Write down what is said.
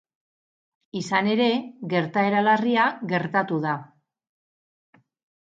Izan ere, gertaera larria gertatu da.